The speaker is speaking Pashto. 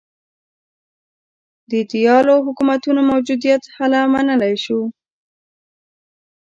د ایدیالو حکومتونو موجودیت هله منلای شو.